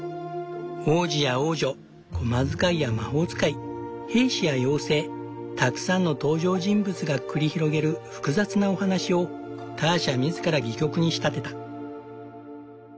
王子や王女小間使いや魔法使い兵士や妖精たくさんの登場人物が繰り広げる複雑なお話をターシャ自ら戯曲に仕立てた。